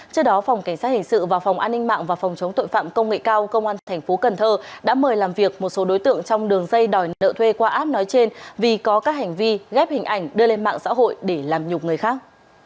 trước đó phòng cảnh sát hình sự và phòng an ninh mạng và phòng chống tội phạm công nghệ cao công an tp cần thơ đã mời làm việc một số đối tượng trong đường dây đòi nợ thuê qua app nói trên vì có các hành vi ghép hình ảnh đưa lên mạng xã hội để làm nhục người khác